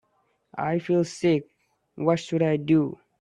I feel sick, what should I do?